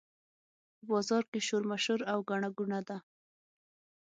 په بازار کې شورماشور او ګڼه ګوڼه ده.